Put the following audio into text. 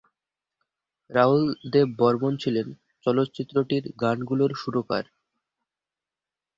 রাহুল দেব বর্মণ ছিলেন চলচ্চিত্রটির গানগুলোর সুরকার।